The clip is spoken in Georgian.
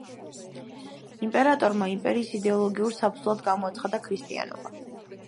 იმპერატორმა იმპერიის იდეოლოგიურ საფუძვლად გამოაცხადა ქრისტიანობა.